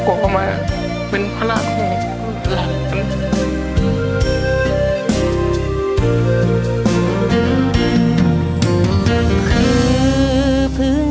และยังคงชัดเจนอย่างนั้น